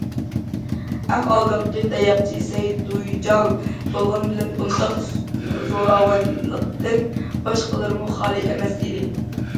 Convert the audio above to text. ئەڭ ئالدىنقى تاياقچى سەي دۈيجاڭ بولغان بىلەن بۇنداق زوراۋانلىقتىن باشقىلىرىمۇ خالىي ئەمەس ئىدى.